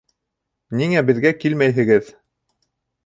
Ниңә беҙгә килмәйһегеҙ?